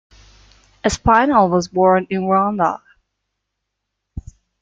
Espinel was born in Ronda.